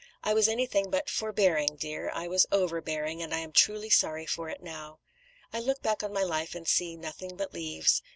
I was anything but 'forbearing,' dear; I was overbearing, and I am truly sorry for it now. I look back on my life and see 'nothing but leaves.'